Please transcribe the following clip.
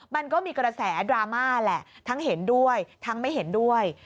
มันก็มีกระแสดราม่าแหละทั้งเห็นด้วยทั้งไม่เห็นด้วย